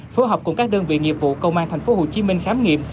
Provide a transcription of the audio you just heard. phối hợp cùng các đơn vị nghiệp vụ công an thành phố hồ chí minh khám nghiệm